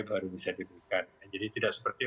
baru bisa diberikan jadi tidak seperti